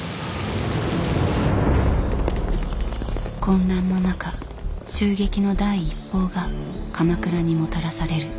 混乱の中襲撃の第一報が鎌倉にもたらされる。